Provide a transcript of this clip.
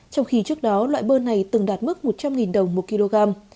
trong khi trước đó loại bơ này từng đạt mức một trăm linh đồng một kg